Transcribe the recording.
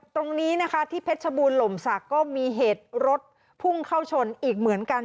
ตรงนี้นะคะที่เพชรบูรหล่มศักดิ์ก็มีเหตุรถพุ่งเข้าชนอีกเหมือนกัน